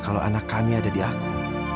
kalau anak kami ada di aku